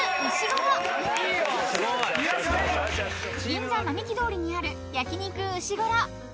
［銀座並木通りにある焼肉うしごろ］